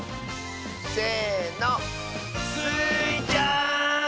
せの！スイちゃん！